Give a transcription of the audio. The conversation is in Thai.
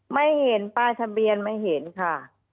ไม่เห็นป้ายทะเบียนไม่เห็นค่ะ